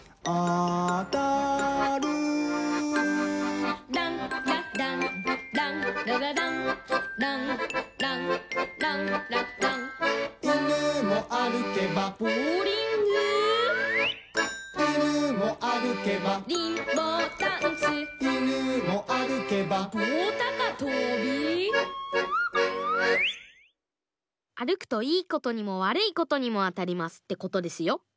あるくといいことにもわるいことにもあたりますってことですよ。